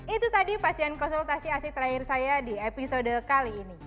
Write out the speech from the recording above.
itu tadi pasien konsultasi asik terakhir saya di episode kali ini